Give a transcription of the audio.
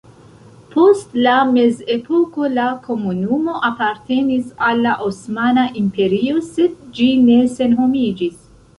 Post la mezepoko la komunumo apartenis al la Osmana Imperio sed ĝi ne senhomiĝis.